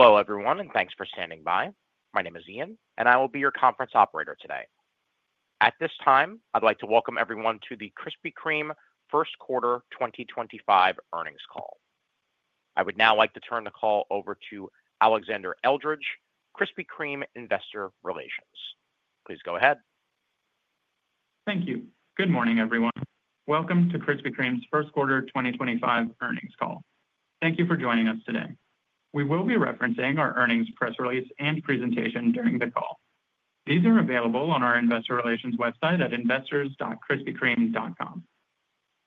Hello, everyone, and thanks for standing by. My name is Ian, and I will be your conference operator today. At this time, I'd like to welcome everyone to the Krispy Kreme first quarter 2025 earnings call. I would now like to turn the call over to Alexandre Eldredge, Krispy Kreme Investor Relations. Please go ahead. Thank you. Good morning, everyone. Welcome to Krispy Kreme's first quarter 2025 earnings call. Thank you for joining us today. We will be referencing our earnings press release and presentation during the call. These are available on our Investor Relations website at investors.krispykreme.com.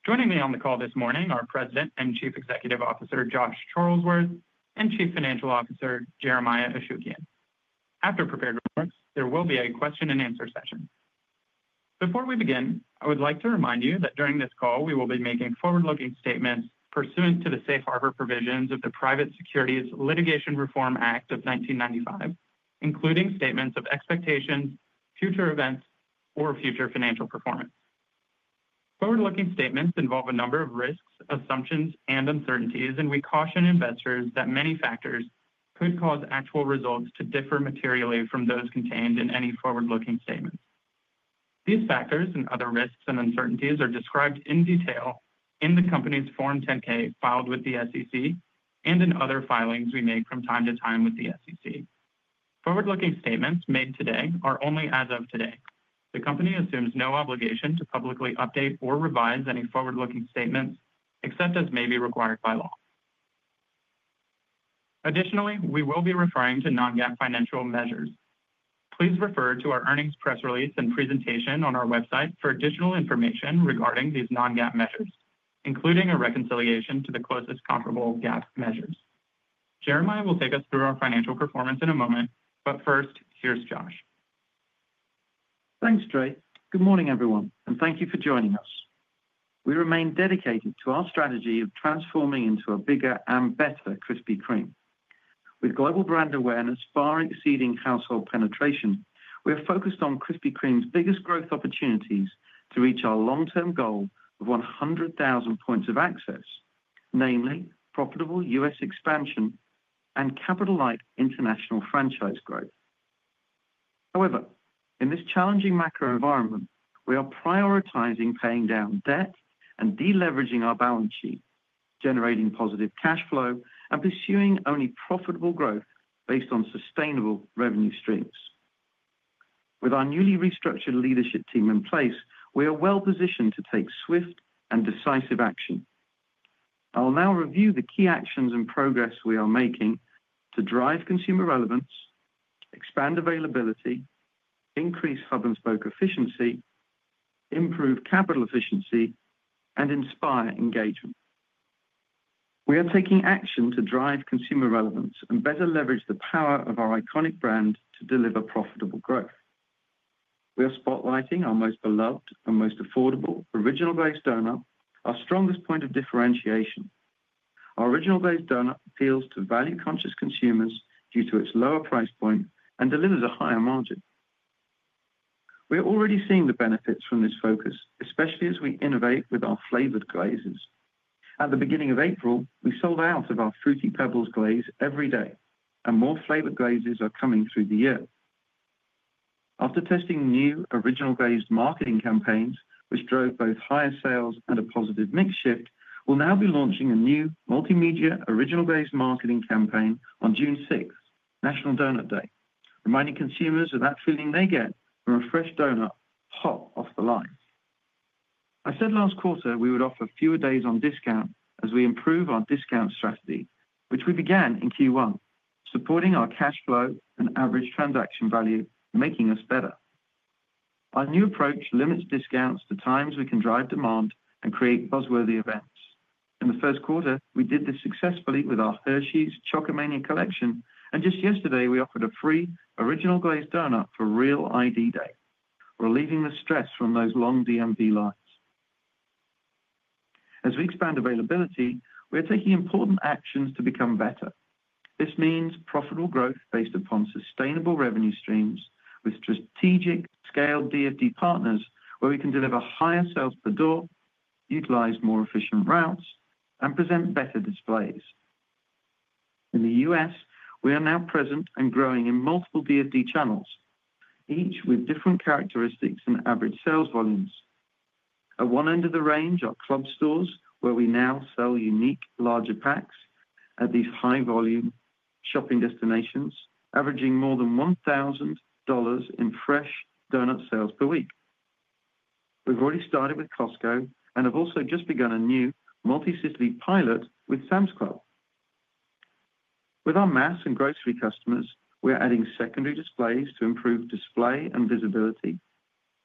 Joining me on the call this morning are President and Chief Executive Officer Josh Charlesworth and Chief Financial Officer Jeremiah Ashukian. After prepared remarks, there will be a question and answer session. Before we begin, I would like to remind you that during this call, we will be making forward-looking statements pursuant to the safe harbor provisions of the Private Securities Litigation Reform Act of 1995, including statements of expectations, future events, or future financial performance. Forward-looking statements involve a number of risks, assumptions, and uncertainties, and we caution investors that many factors could cause actual results to differ materially from those contained in any forward-looking statements. These factors and other risks and uncertainties are described in detail in the company's Form 10-K filed with the SEC and in other filings we make from time to time with the SEC. Forward-looking statements made today are only as of today. The company assumes no obligation to publicly update or revise any forward-looking statements except as may be required by law. Additionally, we will be referring to non-GAAP financial measures. Please refer to our earnings press release and presentation on our website for additional information regarding these non-GAAP measures, including a reconciliation to the closest comparable GAAP measures. Jeremiah will take us through our financial performance in a moment, but first, here's Josh. Thanks, Eldredge. Good morning, everyone, and thank you for joining us. We remain dedicated to our strategy of transforming into a bigger and better Krispy Kreme. With global brand awareness far exceeding household penetration, we are focused on Krispy Kreme's biggest growth opportunities to reach our long-term goal of 100,000 points of access, namely profitable US expansion and capital-light international franchise growth. However, in this challenging macro environment, we are prioritizing paying down debt and deleveraging our balance sheet, generating positive cash flow, and pursuing only profitable growth based on sustainable revenue streams. With our newly restructured leadership team in place, we are well positioned to take swift and decisive action. I'll now review the key actions and progress we are making to drive consumer relevance, expand availability, increase hub-and-spoke efficiency, improve capital efficiency, and inspire engagement. We are taking action to drive consumer relevance and better leverage the power of our iconic brand to deliver profitable growth. We are spotlighting our most beloved and most affordable Original Glazed doughnut, our strongest point of differentiation. Our Original Glazed doughnut appeals to value-conscious consumers due to its lower price point and delivers a higher margin. We are already seeing the benefits from this focus, especially as we innovate with our flavored glazes. At the beginning of April, we sold out of our Fruity Pebbles glaze every day, and more flavored glazes are coming through the year. After testing new Original Glazed marketing campaigns, which drove both higher sales and a positive mix shift, we will now be launching a new multimedia Original Glazed marketing campaign on June six, National Donut Day, reminding consumers of that feeling they get when a fresh doughnut hops off the line. I said last quarter we would offer fewer days on discount as we improve our discount strategy, which we began in Q1, supporting our cash flow and average transaction value, making us better. Our new approach limits discounts to times we can drive demand and create buzzworthy events. In the first quarter, we did this successfully with our Hershey's Chocomania collection, and just yesterday we offered a free Original Glazed doughnut for Real ID Day, relieving the stress from those long DMV lines. As we expand availability, we are taking important actions to become better. This means profitable growth based upon sustainable revenue streams with strategic scaled DFD partners where we can deliver higher sales per door, utilize more efficient routes, and present better displays. In the U.S., we are now present and growing in multiple DFD channels, each with different characteristics and average sales volumes. At one end of the range are club stores where we now sell unique larger packs at these high-volume shopping destinations, averaging more than $1,000 in fresh donut sales per week. We've already started with Costco and have also just begun a new multi-system pilot with Sam's Club. With our mass and grocery customers, we are adding secondary displays to improve display and visibility.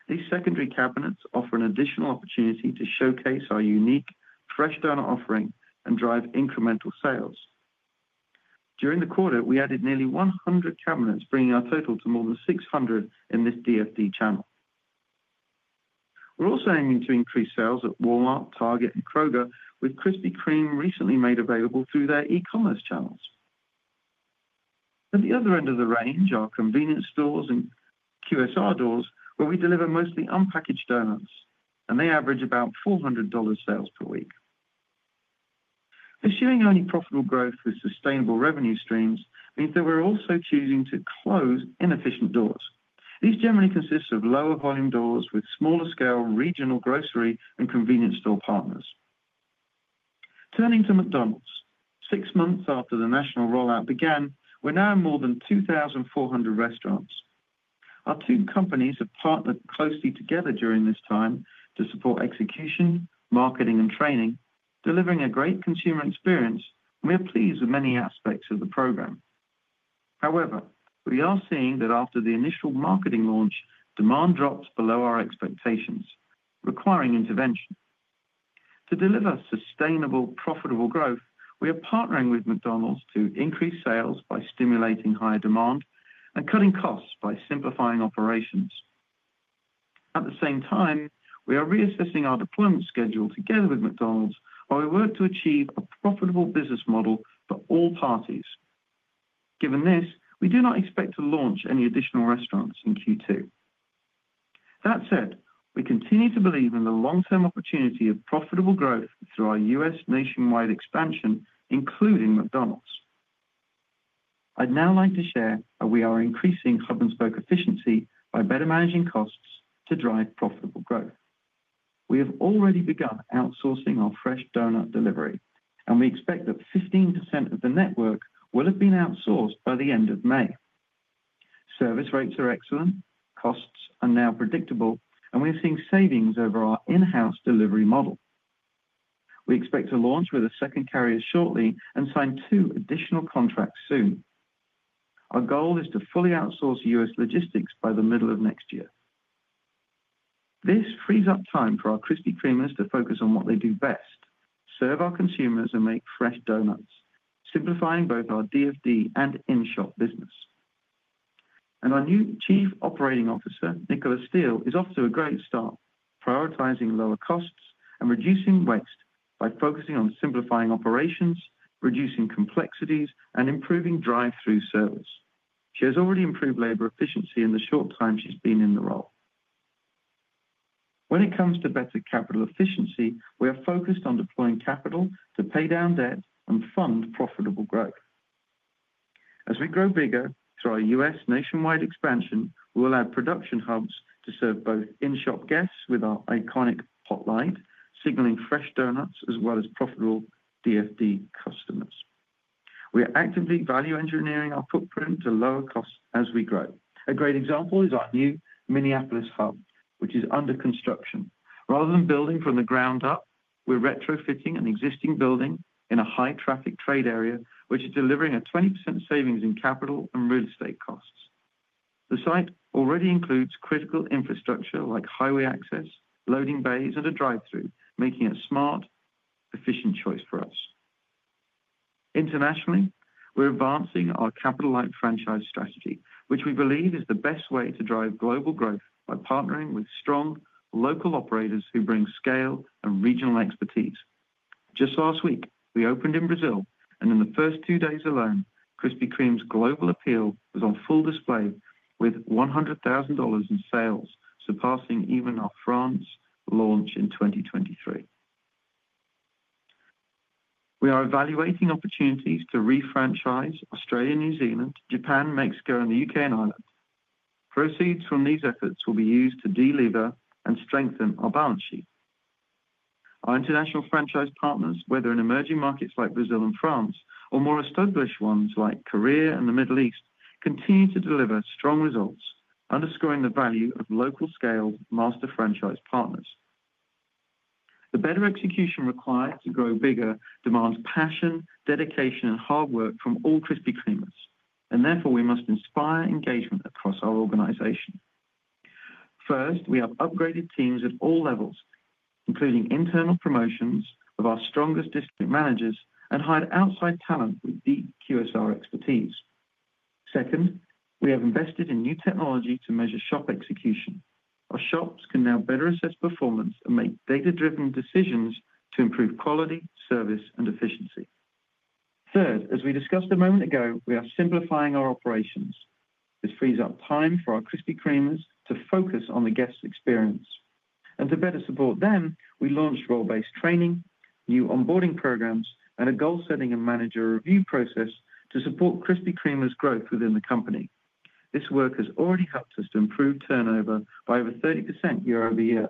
These secondary cabinets offer an additional opportunity to showcase our unique fresh donut offering and drive incremental sales. During the quarter, we added nearly 100 cabinets, bringing our total to more than 600 in this DFD channel. We're also aiming to increase sales at Walmart, Target, and Kroger, with Krispy Kreme recently made available through their e-commerce channels. At the other end of the range are convenience stores and QSR doors, where we deliver mostly unpackaged donuts, and they average about $400 sales per week. Pursuing only profitable growth with sustainable revenue streams means that we're also choosing to close inefficient doors. These generally consist of lower volume doors with smaller scale regional grocery and convenience store partners. Turning to McDonald's, six months after the national rollout began, we're now in more than 2,400 restaurants. Our two companies have partnered closely together during this time to support execution, marketing, and training, delivering a great consumer experience, and we are pleased with many aspects of the program. However, we are seeing that after the initial marketing launch, demand dropped below our expectations, requiring intervention. To deliver sustainable profitable growth, we are partnering with McDonald's to increase sales by stimulating higher demand and cutting costs by simplifying operations. At the same time, we are reassessing our deployment schedule together with McDonald's, where we work to achieve a profitable business model for all parties. Given this, we do not expect to launch any additional restaurants in Q2. That said, we continue to believe in the long-term opportunity of profitable growth through our U.S. nationwide expansion, including McDonald's. I'd now like to share how we are increasing hub-and-spoke efficiency by better managing costs to drive profitable growth. We have already begun outsourcing our fresh donut delivery, and we expect that 15% of the network will have been outsourced by the end of May. Service rates are excellent, costs are now predictable, and we are seeing savings over our in-house delivery model. We expect to launch with a second carrier shortly and sign two additional contracts soon. Our goal is to fully outsource US logistics by the middle of next year. This frees up time for our Krispy Kremers to focus on what they do best: serve our consumers and make fresh donuts, simplifying both our DFD and in-shop business. Our new Chief Operating Officer, Nicola Steele, is off to a great start, prioritizing lower costs and reducing waste by focusing on simplifying operations, reducing complexities, and improving drive-through service. She has already improved labor efficiency in the short time she has been in the role. When it comes to better capital efficiency, we are focused on deploying capital to pay down debt and fund profitable growth. As we grow bigger through our US nationwide expansion, we will add production hubs to serve both in-shop guests with our iconic hot light, signaling fresh donuts as well as profitable DFD customers. We are actively value engineering our footprint to lower costs as we grow. A great example is our new Minneapolis hub, which is under construction. Rather than building from the ground up, we're retrofitting an existing building in a high-traffic trade area, which is delivering a 20% savings in capital and real estate costs. The site already includes critical infrastructure like highway access, loading bays, and a drive-through, making it a smart, efficient choice for us. Internationally, we're advancing our capital-light franchise strategy, which we believe is the best way to drive global growth by partnering with strong local operators who bring scale and regional expertise. Just last week, we opened in Brazil, and in the first two days alone, Krispy Kreme's global appeal was on full display with $100,000 in sales, surpassing even our France launch in 2023. We are evaluating opportunities to refranchise Australia, New Zealand, Japan, Mexico, and the U.K. and Ireland. Proceeds from these efforts will be used to deliver and strengthen our balance sheet. Our international franchise partners, whether in emerging markets like Brazil and France or more established ones like Korea and the Middle East, continue to deliver strong results, underscoring the value of local-scale master franchise partners. The better execution required to grow bigger demands passion, dedication, and hard work from all Krispy Kremers, and therefore we must inspire engagement across our organization. First, we have upgraded teams at all levels, including internal promotions of our strongest district managers and hired outside talent with deep QSR expertise. Second, we have invested in new technology to measure shop execution. Our shops can now better assess performance and make data-driven decisions to improve quality, service, and efficiency. Third, as we discussed a moment ago, we are simplifying our operations. This frees up time for our Krispy Kremers to focus on the guest experience. To better support them, we launched role-based training, new onboarding programs, and a goal-setting and manager review process to support Krispy Kreme's growth within the company. This work has already helped us to improve turnover by over 30% year over year.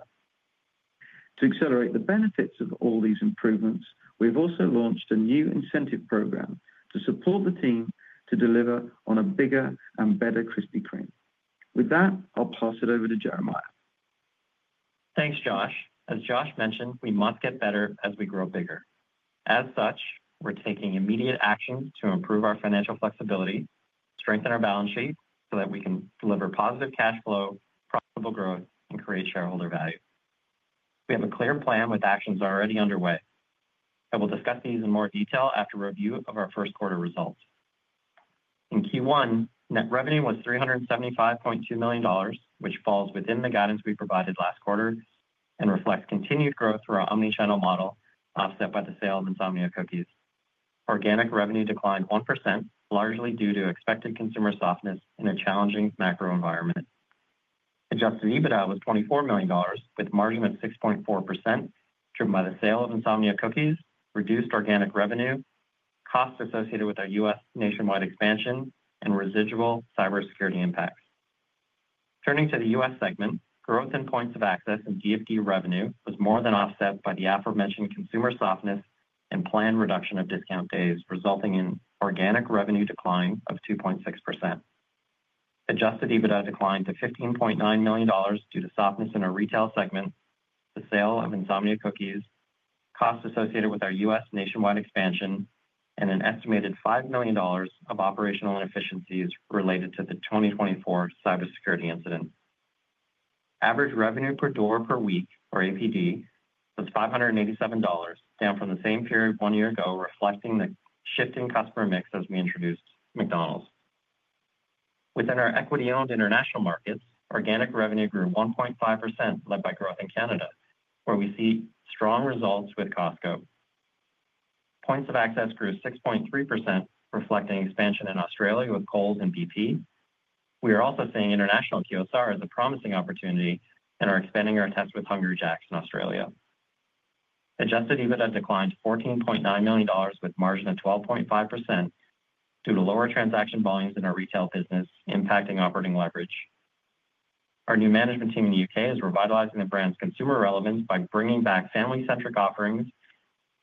To accelerate the benefits of all these improvements, we have also launched a new incentive program to support the team to deliver on a bigger and better Krispy Kreme. With that, I'll pass it over to Jeremiah. Thanks, Josh. As Josh mentioned, we must get better as we grow bigger. As such, we're taking immediate action to improve our financial flexibility, strengthen our balance sheet so that we can deliver positive cash flow, profitable growth, and create shareholder value. We have a clear plan with actions already underway, and we'll discuss these in more detail after review of our first quarter results. In Q1, net revenue was $375.2 million, which falls within the guidance we provided last quarter and reflects continued growth through our omnichannel model offset by the sale of Insomnia Cookies. Organic revenue declined 1%, largely due to expected consumer softness in a challenging macro environment. Adjusted EBITDA was $24 million, with a margin of 6.4%, driven by the sale of Insomnia Cookies, reduced organic revenue, costs associated with our US nationwide expansion, and residual cybersecurity impacts. Turning to the U.S. Segment, growth in points of access and DFD revenue was more than offset by the aforementioned consumer softness and planned reduction of discount days, resulting in organic revenue decline of 2.6%. Adjusted EBITDA declined to $15.9 million due to softness in our retail segment, the sale of Insomnia Cookies, costs associated with our US nationwide expansion, and an estimated $5 million of operational inefficiencies related to the 2024 cybersecurity incident. Average revenue per door per week, or APD, was $587, down from the same period one year ago, reflecting the shift in customer mix as we introduced McDonald's. Within our equity-owned international markets, organic revenue grew 1.5%, led by growth in Canada, where we see strong results with Costco. Points of access grew 6.3%, reflecting expansion in Australia with Coles and BP. We are also seeing international QSR as a promising opportunity and are expanding our test with Hungry Jack's in Australia. Adjusted EBITDA declined to $14.9 million, with a margin of 12.5%, due to lower transaction volumes in our retail business impacting operating leverage. Our new management team in the U.K. is revitalizing the brand's consumer relevance by bringing back family-centric offerings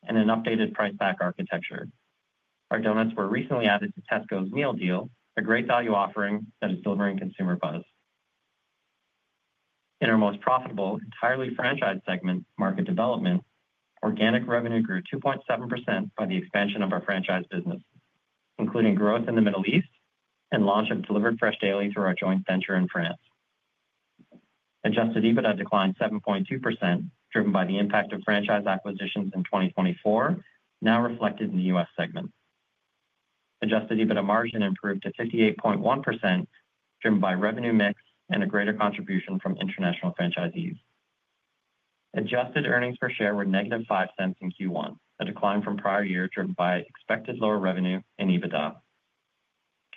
and an updated price-back architecture. Our donuts were recently added to Tesco's meal deal, a great value offering that is delivering consumer buzz. In our most profitable entirely franchise segment market development, organic revenue grew 2.7% by the expansion of our franchise business, including growth in the Middle East and launch of delivered fresh daily through our joint venture in France. Adjusted EBITDA declined 7.2%, driven by the impact of franchise acquisitions in 2024, now reflected in the U.S. segment. Adjusted EBITDA margin improved to 58.1%, driven by revenue mix and a greater contribution from international franchisees. Adjusted earnings per share were negative $0.05 in Q1, a decline from prior year driven by expected lower revenue and EBITDA.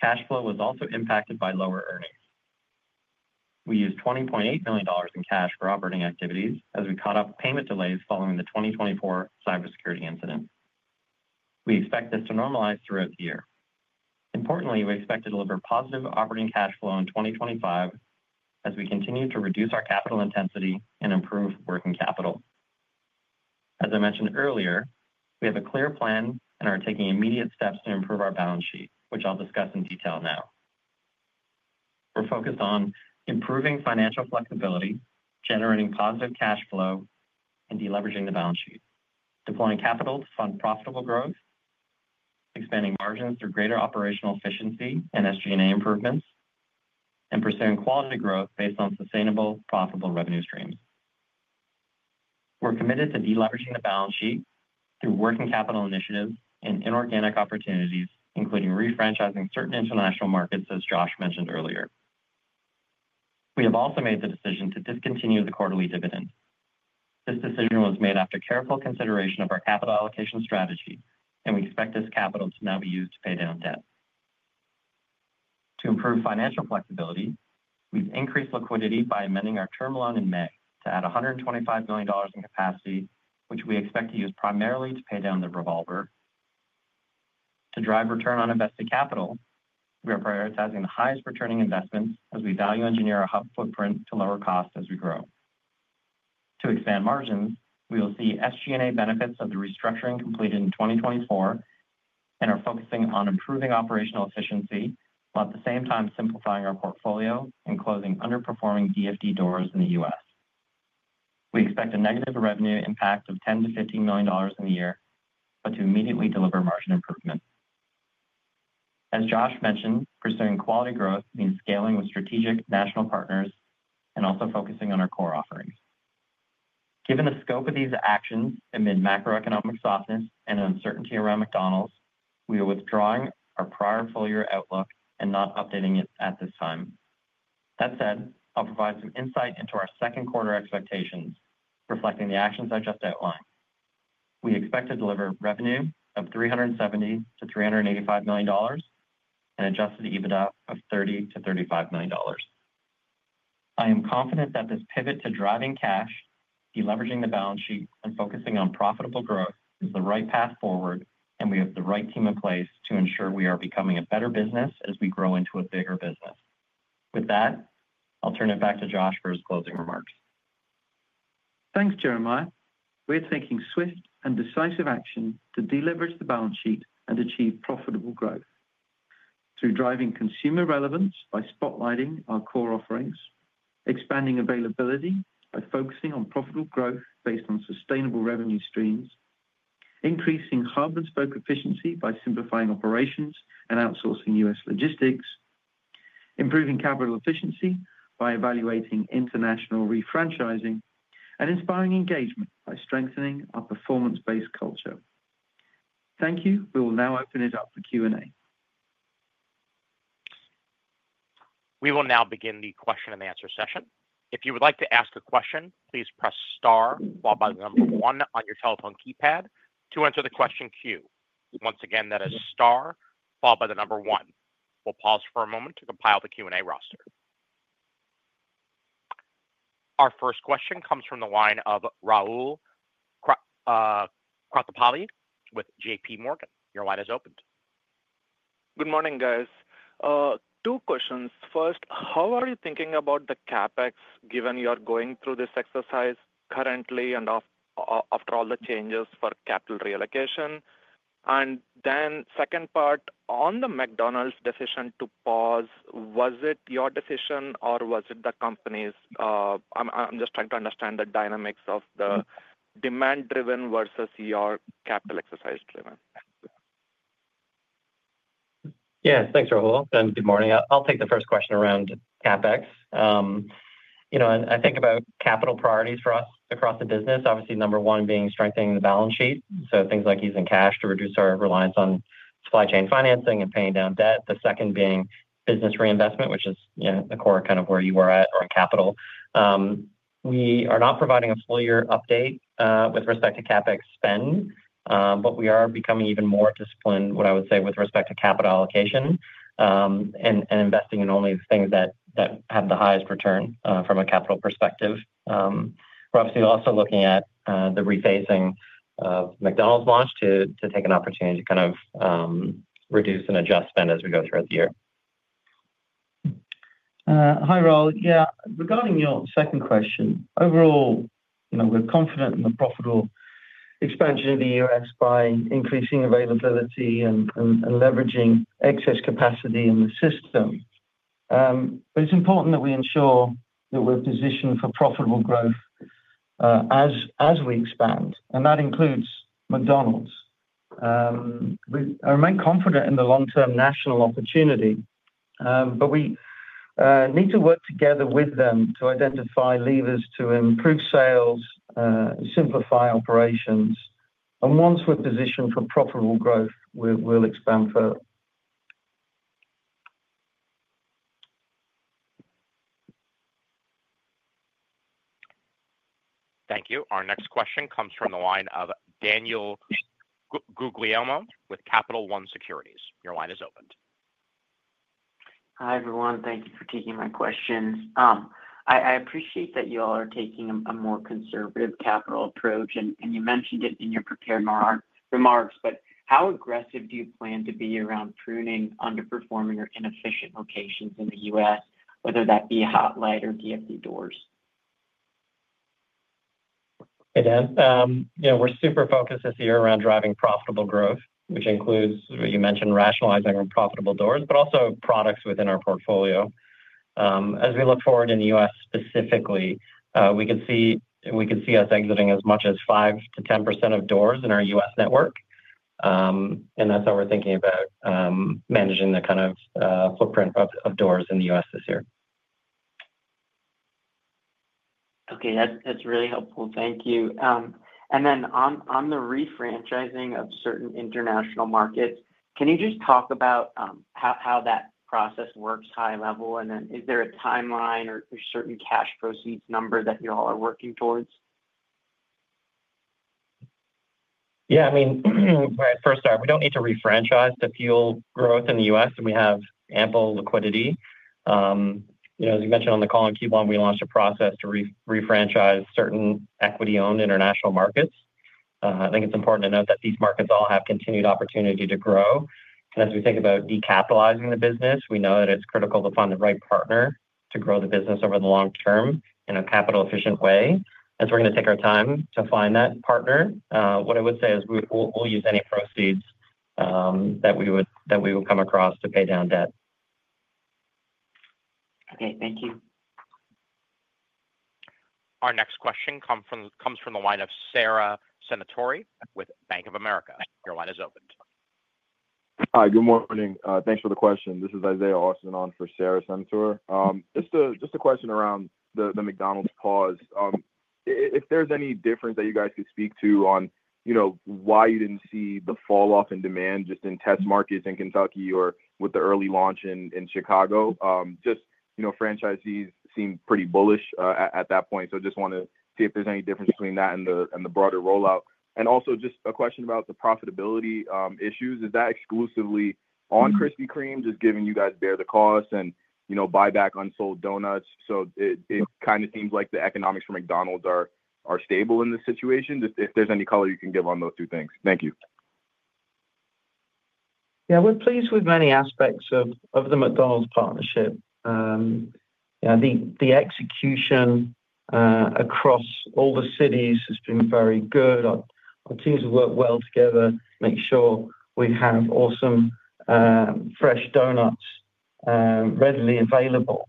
Cash flow was also impacted by lower earnings. We used $20.8 million in cash for operating activities as we caught up payment delays following the 2024 cybersecurity incident. We expect this to normalize throughout the year. Importantly, we expect to deliver positive operating cash flow in 2025 as we continue to reduce our capital intensity and improve working capital. As I mentioned earlier, we have a clear plan and are taking immediate steps to improve our balance sheet, which I'll discuss in detail now. We're focused on improving financial flexibility, generating positive cash flow, and deleveraging the balance sheet, deploying capital to fund profitable growth, expanding margins through greater operational efficiency and SG&A improvements, and pursuing quality growth based on sustainable, profitable revenue streams. We're committed to deleveraging the balance sheet through working capital initiatives and inorganic opportunities, including refranchising certain international markets, as Josh mentioned earlier. We have also made the decision to discontinue the quarterly dividend. This decision was made after careful consideration of our capital allocation strategy, and we expect this capital to now be used to pay down debt. To improve financial flexibility, we've increased liquidity by amending our term loan in May to add $125 million in capacity, which we expect to use primarily to pay down the revolver. To drive return on invested capital, we are prioritizing the highest returning investments as we value engineer our hub footprint to lower costs as we grow. To expand margins, we will see SG&A benefits of the restructuring completed in 2024 and are focusing on improving operational efficiency while at the same time simplifying our portfolio and closing underperforming DFD doors in the U.S. We expect a negative revenue impact of $10-$15 million in the year, but to immediately deliver margin improvement. As Josh mentioned, pursuing quality growth means scaling with strategic national partners and also focusing on our core offerings. Given the scope of these actions amid macroeconomic softness and uncertainty around McDonald's, we are withdrawing our prior full-year outlook and not updating it at this time. That said, I'll provide some insight into our second quarter expectations, reflecting the actions I just outlined. We expect to deliver revenue of $370-$385 million and adjusted EBITDA of $30-$35 million. I am confident that this pivot to driving cash, deleveraging the balance sheet, and focusing on profitable growth is the right path forward, and we have the right team in place to ensure we are becoming a better business as we grow into a bigger business. With that, I'll turn it back to Josh for his closing remarks. Thanks, Jeremiah. We're taking swift and decisive action to deliver to the balance sheet and achieve profitable growth through driving consumer relevance by spotlighting our core offerings, expanding availability by focusing on profitable growth based on sustainable revenue streams, increasing hub-and-spoke efficiency by simplifying operations and outsourcing U.S. logistics, improving capital efficiency by evaluating international refranchising, and inspiring engagement by strengthening our performance-based culture. Thank you. We will now open it up for Q&A. We will now begin the question and answer session. If you would like to ask a question, please press star followed by the number one on your telephone keypad to enter the question queue. Once again, that is star followed by the number one. We'll pause for a moment to compile the Q&A roster. Our first question comes from the line of Rahul Krotthapalli with JP Morgan. Your line is open. Good morning, guys. Two questions. First, how are you thinking about the CapEx given you are going through this exercise currently and after all the changes for capital reallocation? The second part, on the McDonald's decision to pause, was it your decision or was it the company's? I'm just trying to understand the dynamics of the demand-driven versus yoFur capital exercise driven. Yeah, thanks, Raul. And good morning. I'll take the first question around CapEx. You know, I think about capital priorities for us across the business, obviously number one being strengthening the balance sheet. So things like using cash to reduce our reliance on supply chain financing and paying down debt. The second being business reinvestment, which is the core kind of where you are at or in capital. We are not providing a full-year update with respect to CapEx spend, but we are becoming even more disciplined, what I would say, with respect to capital allocation and investing in only the things that have the highest return from a capital perspective. We're obviously also looking at the refacing of McDonald's launch to take an opportunity to kind of reduce and adjust spend as we go throughout the year. Hi, Raul. Yeah, regarding your second question, overall, we're confident in the profitable expansion of the U.S. by increasing availability and leveraging excess capacity in the system. It is important that we ensure that we're positioned for profitable growth as we expand. That includes McDonald's. We remain confident in the long-term national opportunity, but we need to work together with them to identify levers to improve sales, simplify operations. Once we're positioned for profitable growth, we'll expand further. Thank you. Our next question comes from the line of Daniel Guglielmo with Capital One Securities. Your line is opened. Hi, everyone. Thank you for taking my questions. I appreciate that you all are taking a more conservative capital approach, and you mentioned it in your prepared remarks. How aggressive do you plan to be around pruning underperforming or inefficient locations in the U.S., whether that be hot light or DFD doors? Hey, Dan. You know, we're super focused this year around driving profitable growth, which includes, you mentioned, rationalizing our profitable doors, but also products within our portfolio. As we look forward in the U.S. specifically, we can see us exiting as much as 5%-10% of doors in our U.S. network. That's how we're thinking about managing the kind of footprint of doors in the U.S. this year. Okay, that's really helpful. Thank you. Then on the refranchising of certain international markets, can you just talk about how that process works high level? Then is there a timeline or certain cash proceeds number that you all are working towards? Yeah, I mean, first off, we do not need to refranchise to fuel growth in the U.S., and we have ample liquidity. You know, as you mentioned on the call on Q1, we launched a process to refranchise certain equity-owned international markets. I think it is important to note that these markets all have continued opportunity to grow. As we think about decapitalizing the business, we know that it is critical to find the right partner to grow the business over the long term in a capital-efficient way. We are going to take our time to find that partner. What I would say is we will use any proceeds that we will come across to pay down debt. Okay, thank you. Our next question comes from the line of Sarah Senatore with Bank of America. Your line is opened. Hi, good morning. Thanks for the question. This is Isaiah Austin on for Sarah Senatore. Just a question around the McDonald's pause. If there's any difference that you guys could speak to on why you didn't see the falloff in demand just in test markets in Kentucky or with the early launch in Chicago, just franchisees seem pretty bullish at that point. I just want to see if there's any difference between that and the broader rollout. Also, just a question about the profitability issues. Is that exclusively on Krispy Kreme, just given you guys bear the cost and buy back unsold donuts? It kind of seems like the economics for McDonald's are stable in this situation. If there's any color you can give on those two things. Thank you. Yeah, we're pleased with many aspects of the McDonald's partnership. The execution across all the cities has been very good. Our teams have worked well together to make sure we have awesome, fresh donuts readily available.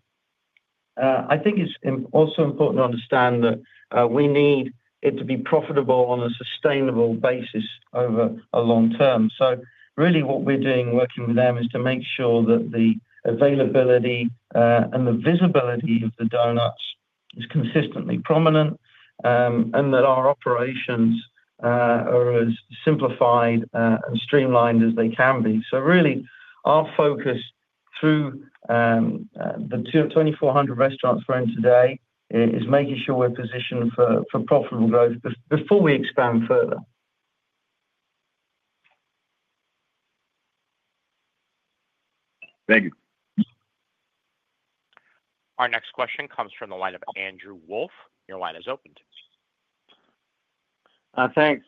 I think it's also important to understand that we need it to be profitable on a sustainable basis over a long term. Really what we're doing working with them is to make sure that the availability and the visibility of the donuts is consistently prominent and that our operations are as simplified and streamlined as they can be. Really our focus through the 2,400 restaurants we're in today is making sure we're positioned for profitable growth before we expand further. Thank you. Our next question comes from the line of Andrew Wolf. Your line is opened. Thanks.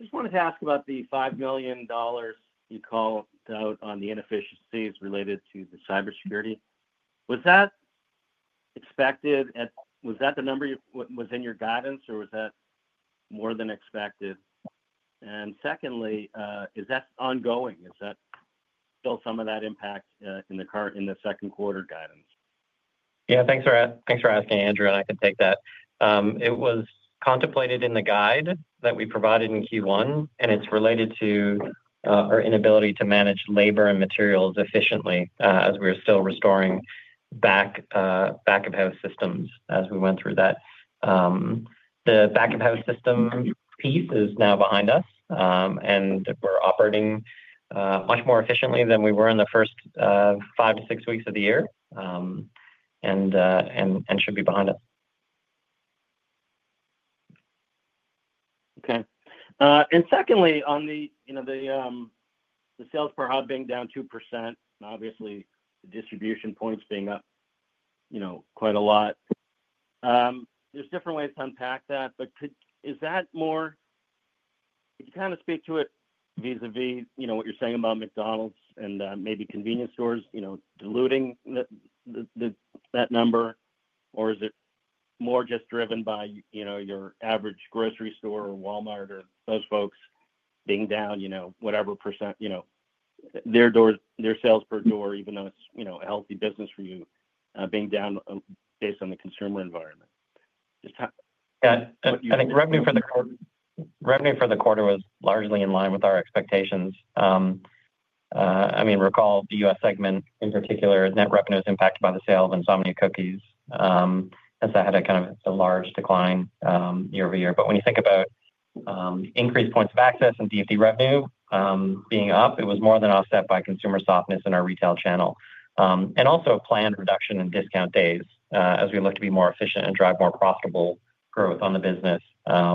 Just wanted to ask about the $5 million you called out on the inefficiencies related to the cybersecurity. Was that expected? Was that the number that was in your guidance, or was that more than expected? Secondly, is that ongoing? Is that still some of that impact in the second quarter guidance? Yeah, thanks for asking, Andrew. I can take that. It was contemplated in the guide that we provided in Q1, and it's related to our inability to manage labor and materials efficiently as we were still restoring back-of-house systems as we went through that. The back-of-house system piece is now behind us, and we're operating much more efficiently than we were in the first five to six weeks of the year and should be behind us. Okay. And secondly, on the sales per hub being down 2%, obviously the distribution points being up quite a lot. There are different ways to unpack that, but is that more—can you kind of speak to it vis-à-vis what you're saying about McDonald's and maybe convenience stores diluting that number? Or is it more just driven by your average grocery store or Walmart or those folks being down whatever % their sales per door, even though it's a healthy business for you, being down based on the consumer environment? Yeah, I think revenue for the quarter was largely in line with our expectations. I mean, recall the U.S. segment in particular, net revenue was impacted by the sale of Insomnia Cookies. It had a kind of large decline year over year. When you think about increased points of access and DFD revenue being up, it was more than offset by consumer softness in our retail channel. Also, planned reduction in discount days as we look to be more efficient and drive more profitable growth on the business,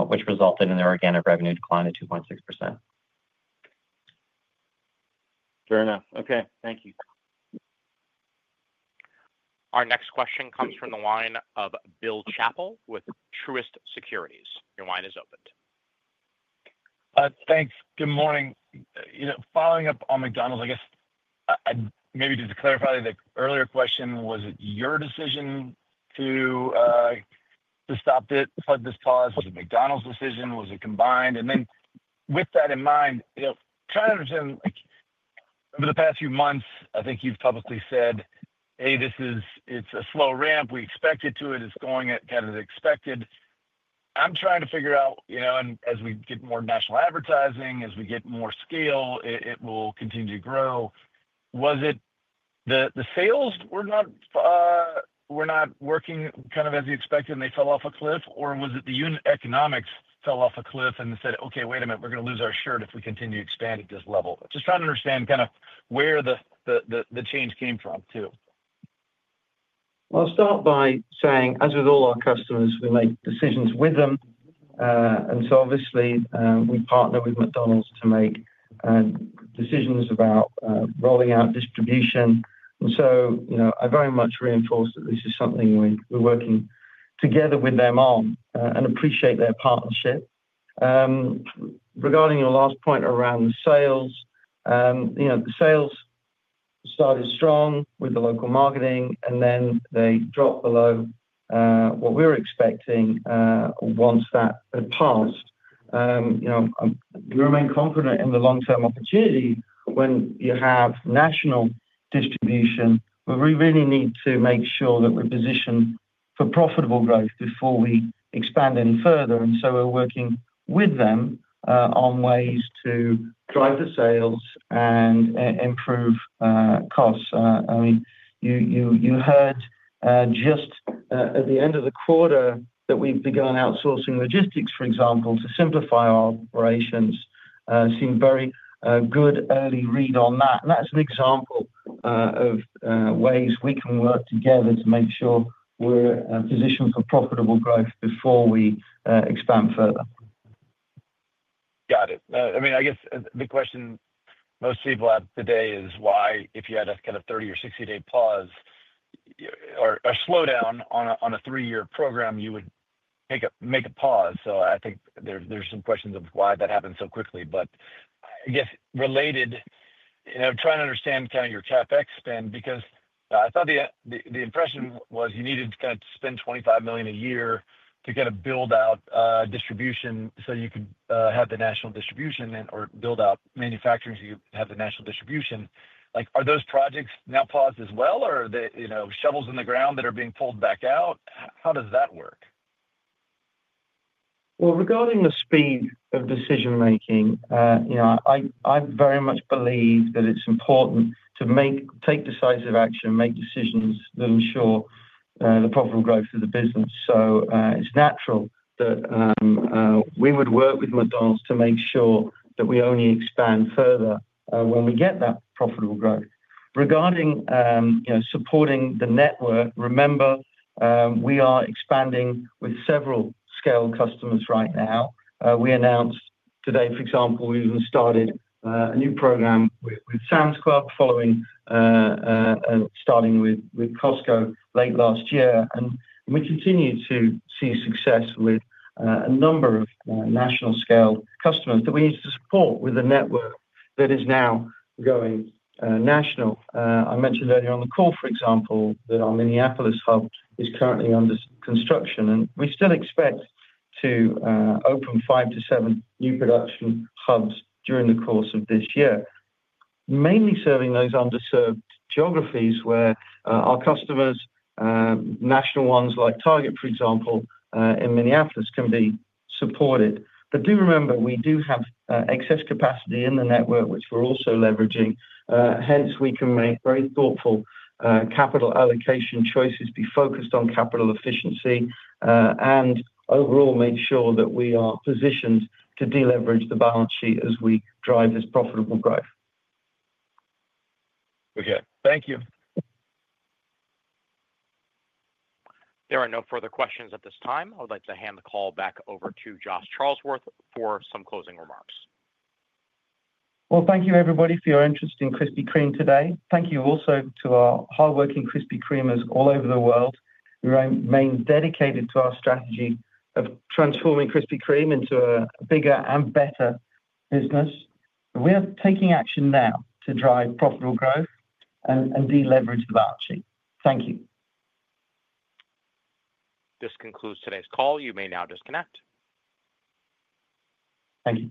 which resulted in the organic revenue decline of 2.6%. Fair enough. Okay, thank you. Our next question comes from the line of Bill Chappell with Truist Securities. Your line is opened. Thanks. Good morning. Following up on McDonald's, I guess maybe just to clarify the earlier question, was it your decision to stop this pause? Was it McDonald's decision? Was it combined? With that in mind, trying to understand over the past few months, I think you've publicly said, "Hey, it's a slow ramp. We expected to. It's going at kind of the expected." I'm trying to figure out, as we get more national advertising, as we get more scale, it will continue to grow. Was it the sales were not working kind of as you expected and they fell off a cliff, or was it the unit economics fell off a cliff and said, "Okay, wait a minute, we're going to lose our shirt if we continue to expand at this level"? Just trying to understand kind of where the change came from too. I will start by saying, as with all our customers, we make decisions with them. Obviously, we partner with McDonald's to make decisions about rolling out distribution. I very much reinforce that this is something we are working together with them on and appreciate their partnership. Regarding your last point around sales, the sales started strong with the local marketing, and then they dropped below what we were expecting once that had passed. We remain confident in the long-term opportunity when you have national distribution, but we really need to make sure that we are positioned for profitable growth before we expand any further. We are working with them on ways to drive the sales and improve costs. I mean, you heard just at the end of the quarter that we have begun outsourcing logistics, for example, to simplify our operations. Seemed very good early read on that. That is an example of ways we can work together to make sure we are positioned for profitable growth before we expand further. Got it. I mean, I guess the question most people have today is why, if you had a kind of 30 or 60-day pause or a slowdown on a three-year program, you would make a pause. I think there are some questions of why that happened so quickly. I guess related, trying to understand kind of your CapEx spend, because I thought the impression was you needed to kind of spend $25 million a year to kind of build out distribution so you could have the national distribution or build out manufacturing so you have the national distribution. Are those projects now paused as well, or are there shovels in the ground that are being pulled back out? How does that work? Regarding the speed of decision-making, I very much believe that it's important to take decisive action, make decisions that ensure the profitable growth of the business. It is natural that we would work with McDonald's to make sure that we only expand further when we get that profitable growth. Regarding supporting the network, remember, we are expanding with several scale customers right now. We announced today, for example, we even started a new program with Sam's Club following starting with Costco late last year. We continue to see success with a number of national-scale customers that we need to support with the network that is now going national. I mentioned earlier on the call, for example, that our Minneapolis hub is currently under construction, and we still expect to open five to seven new production hubs during the course of this year, mainly serving those underserved geographies where our customers, national ones like Target, for example, in Minneapolis, can be supported. Do remember, we do have excess capacity in the network, which we're also leveraging. Hence, we can make very thoughtful capital allocation choices, be focused on capital efficiency, and overall make sure that we are positioned to deleverage the balance sheet as we drive this profitable growth. Okay, thank you. There are no further questions at this time. I would like to hand the call back over to Josh Charlesworth for some closing remarks. Thank you, everybody, for your interest in Krispy Kreme today. Thank you also to our hardworking Krispy Kremers all over the world. We remain dedicated to our strategy of transforming Krispy Kreme into a bigger and better business. We are taking action now to drive profitable growth and deleverage the balance sheet. Thank you. This concludes today's call. You may now disconnect. Thank you.